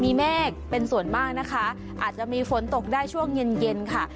มีเมฆเป็นส่วนมากนะคะอาจจะมีฝนตกได้ช่วงเย็นเย็นค่ะ